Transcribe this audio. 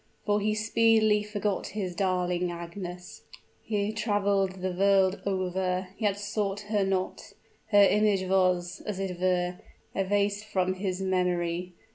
For he speedily forgot his darling Agnes he traveled the world over, yet sought her not her image was, as it were, effaced from his memory.